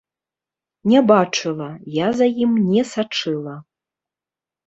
Не бачыла, я за ім не сачыла.